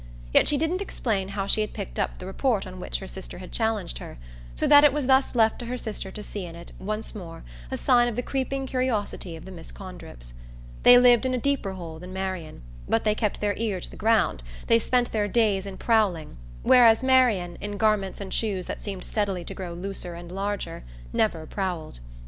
Yet she didn't explain how she had picked up the report on which her sister had challenged her so that it was thus left to her sister to see in it once more a sign of the creeping curiosity of the Miss Condrips. They lived in a deeper hole than Marian, but they kept their ear to the ground, they spent their days in prowling, whereas Marian, in garments and shoes that seemed steadily to grow looser and larger, never prowled.